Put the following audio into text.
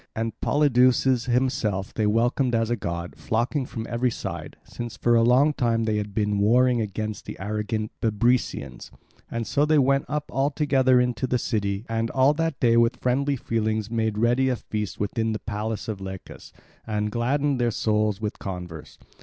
And Polydeuces himself they welcomed as a god, flocking from every side, since for a long time had they been warring against the arrogant Bebrycians. And so they went up all together into the city, and all that day with friendly feelings made ready a feast within the palace of Lycus and gladdened their souls with converse.